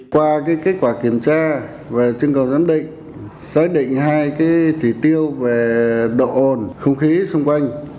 qua kết quả kiểm tra và chứng cầu giám định xóa định hai chỉ tiêu về độ ồn không khí xung quanh